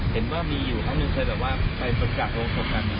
เห็นว่ามีอยู่ครบหนึ่งเคยไปศักดิ์คาโรงศัรกรณ์